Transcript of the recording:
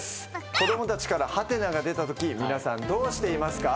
子供たちからハテナが出たとき皆さんどうしていますか？